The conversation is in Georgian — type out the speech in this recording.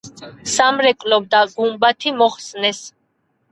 სამრეკლო და გუმბათი მოხსნეს.